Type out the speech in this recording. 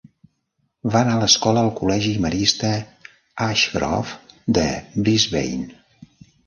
Va anar a l'escola al Col·legi Marista Ashgrove de Brisbane.